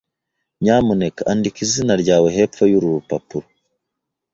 Nyamuneka andika izina ryawe hepfo yuru rupapuro.